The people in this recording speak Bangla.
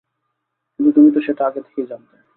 কিন্তু তুমি তো সেটা আগে থেকেই জানতে।